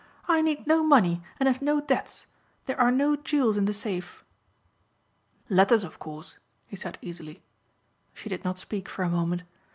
"I need no money and have no debts. There are no jewels in the safe." "Letters of course," he said easily. She did not speak for a moment.